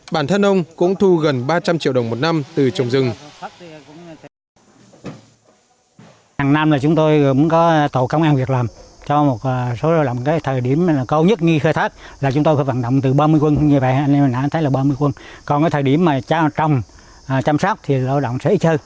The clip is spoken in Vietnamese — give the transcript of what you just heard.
bản thân ông cũng thu gần ba trăm linh triệu đồng một năm từ trồng rừng